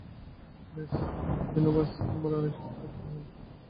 বেশ, এই ইউনিভার্সে তোমার আরেক সত্তার কী হাল?